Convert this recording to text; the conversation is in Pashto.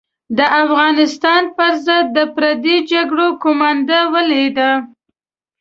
د افغانستان پر ضد د پردۍ جګړې قومانده ولیده.